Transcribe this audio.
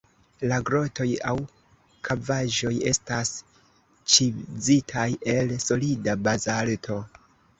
La grotoj aŭ kavaĵoj estas ĉizitaj el solida bazalto.